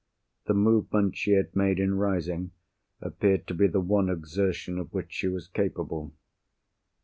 The movement she had made in rising appeared to be the one exertion of which she was capable.